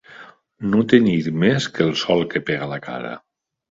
No tenir més que el sol que pega a la cara.